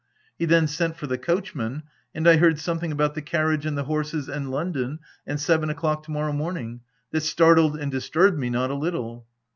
He then sent for the coachman, and I heard something about the carriage and the horses, and London, and seven o'clock to morrow morning, that startled and disturbed me not a little.